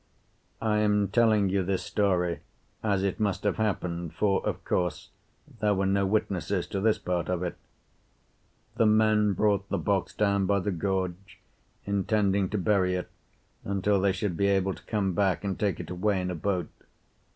I am telling you this story as it must have happened, for, of course, there were no witnesses to this part of it. The men brought the box down by the gorge, intending to bury it until they should be able to come back and take it away in a boat.